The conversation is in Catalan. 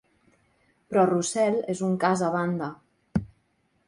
Però Roussel és un cas a banda.